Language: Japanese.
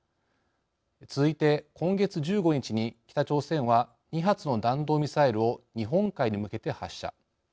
続いて今月１５日に北朝鮮は２発の弾道ミサイルを日本海に向けて発射。